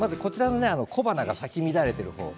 小花が咲き乱れているもの